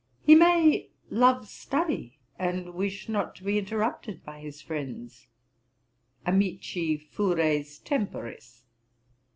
He may love study, and wish not to be interrupted by his friends; Amici fures temporis.